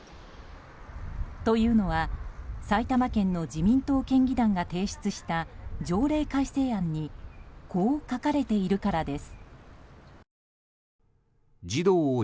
というのは埼玉県の自民党県議団が提出した条例改正案にこう書かれているからです。